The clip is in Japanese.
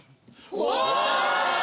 うわ！